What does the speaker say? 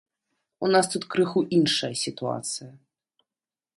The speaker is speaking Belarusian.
У нас тут крыху іншая сітуацыя.